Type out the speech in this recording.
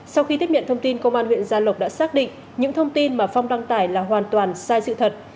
sau khi tiếp nhận thông tin công an huyện gia lộc đã xác định những thông tin mà phong đăng tải là hoàn toàn sai sự thật